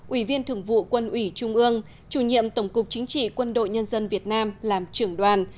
ủy viên thường vụ quân ủy trung ương chủ nhiệm tổng cục chính trị quân đội nhân dân việt nam làm trưởng đoàn